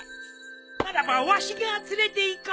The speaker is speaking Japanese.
ならばわしが連れていこう！